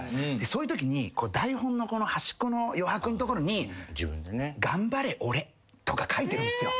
そういうときに台本の端っこの余白のところに。とか書いてるんすよ。